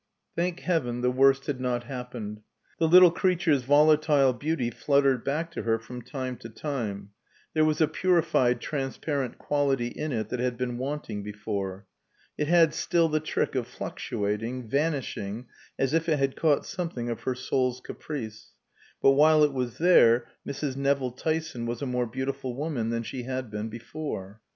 Thank heaven, the worst had not happened. The little creature's volatile beauty fluttered back to her from time to time; there was a purified transparent quality in it that had been wanting before. It had still the trick of fluctuating, vanishing, as if it had caught something of her soul's caprice; but while it was there Mrs. Nevill Tyson was a more beautiful woman than she had been before.